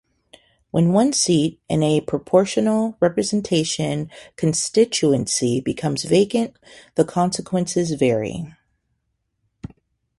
When one seat in a proportional representation constituency becomes vacant, the consequences vary.